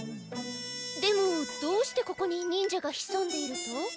でもどうしてここに忍者がひそんでいると？